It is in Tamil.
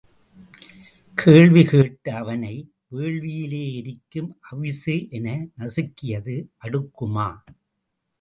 கேள்வி கேட்ட அவனை வேள்வியிலே எரிக்கும் அவிசு என நசுக்கியது அடுக்குமா?